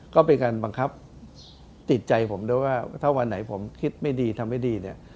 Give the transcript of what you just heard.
ก็เป็นการบังคับติดใจผมด้วยว่าถ้าวันไหนผมคิดไม่ดีทำไม่ดีเนี่ย